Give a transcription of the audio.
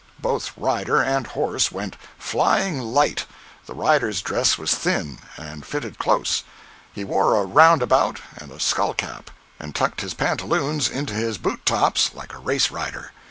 Both rider and horse went "flying light." The rider's dress was thin, and fitted close; he wore a "round about," and a skull cap, and tucked his pantaloons into his boot tops like a race rider.